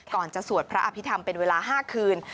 ก่อนจะสวดพระอภิษฐรรมเป็นเวลา๕คืน